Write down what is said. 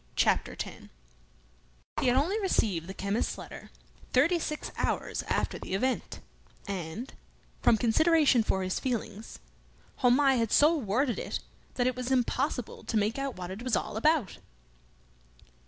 Chapter Ten He had only received the chemist's letter thirty six hours after the event; and, from consideration for his feelings, Homais had so worded it that it was impossible to make out what it was all about.